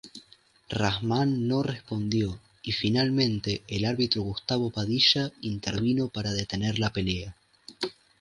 Rahman no respondió y finalmente el árbitro Gustavo Padilla intervino para detener la pelea.